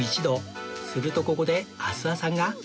するとここで阿諏訪さんが